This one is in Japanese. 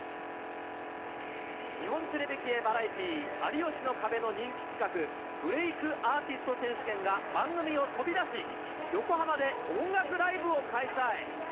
日本テレビ系バラエティ、有吉の壁の人気企画、ブレイクアーティスト選手権が、番組を飛び出し、横浜で音楽ライブを開催。